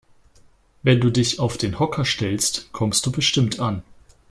Wenn du dich auf den Hocker stellst, kommst du bestimmt an.